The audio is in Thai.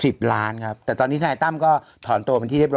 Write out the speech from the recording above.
ล้านครับแต่ตอนนี้ทนายตั้มก็ถอนตัวเป็นที่เรียบร้อ